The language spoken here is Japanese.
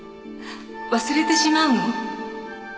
忘れてしまうの。